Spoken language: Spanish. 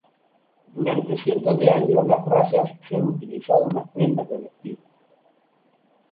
Durante cientos de años, las rayas se han utilizado en las prendas de vestir.